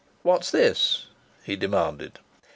"What's this?" he demanded.